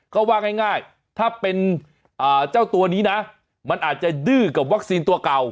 ก็ว่าง่ายถ้าเป็นเจ้าตัวนี้นะมันอาจจะดื้อกับวัคซีนตัวเก่า